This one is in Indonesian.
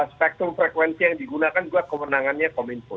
spektrum frekuensi yang digunakan juga kewenangannya kominfo